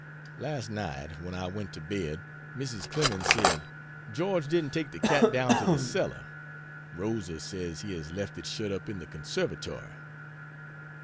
Last night, when I went to bed, Mrs. Clemens said, "George didn't take the cat down to the cellar Rosa says he has left it shut up in the conservatory."